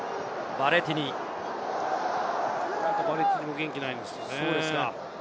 ヴァレティニもなんか元気ないんですよね。